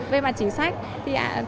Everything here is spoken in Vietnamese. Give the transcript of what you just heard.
về mặt chính sách thì chúng tôi đang